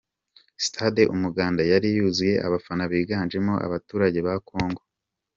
Stade Umuganda yari yuzuye abafana biganjemo abaturage ba Congo.